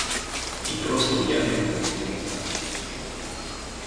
І проста ў яміну гэты дом звальваюць.